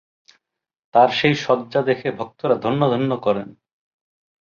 তার সেই সজ্জা দেখে ভক্তরা ধন্য ধন্য করেন।